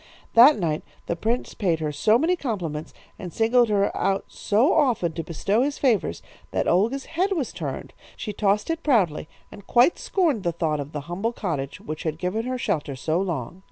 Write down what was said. "That night the prince paid her so many compliments and singled her out so often to bestow his favours, that Olga's head was turned. She tossed it proudly, and quite scorned the thought of the humble cottage which had given her shelter so long.